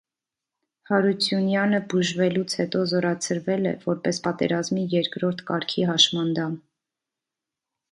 Հարությունյանը բուժվելուց հետո զորացրվել է՝ որպես պատերազմի երկրորդ կարգի հաշմանդամ։